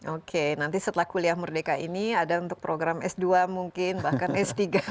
oke nanti setelah kuliah merdeka ini ada untuk program s dua mungkin bahkan s tiga